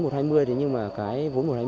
nhưng mà cái vốn một trăm hai mươi